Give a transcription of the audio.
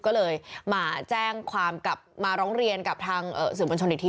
ก็เลยมาแจ้งความกลับมาร้องเรียนกับทางสื่อบัญชนอีกที